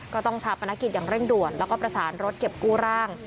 ชาปนกิจอย่างเร่งด่วนแล้วก็ประสานรถเก็บกู้ร่าง